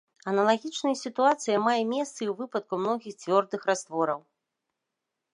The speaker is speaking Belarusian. Аналагічная сітуацыя мае месца і ў выпадку многіх цвёрдых раствораў.